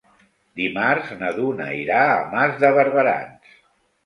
Dimarts na Duna irà a Mas de Barberans.